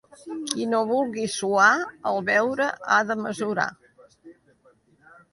Qui no vulgui suar el beure ha de mesurar.